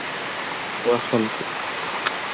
وا خلکو!